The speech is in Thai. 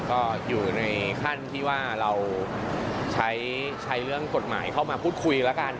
ก็อยู่ในขั้นที่ว่าเราใช้เรื่องกฎหมายเข้ามาพูดคุยแล้วกัน